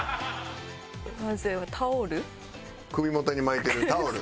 首元に巻いてるタオル？